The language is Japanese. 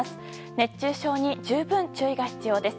熱中症に十分な注意が必要です。